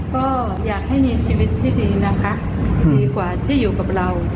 ก็อยากให้มีชีวิตที่ดีนะคะดีกว่าที่อยู่กับเรา